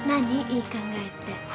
いい考えって。